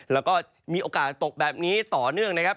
แล้วก็มีโอกาสตกแบบนี้ต่อเนื่องนะครับ